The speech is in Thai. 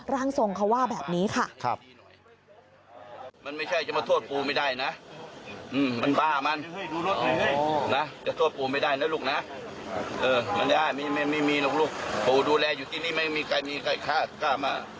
ร่างทรงเขาว่าแบบนี้ค่ะ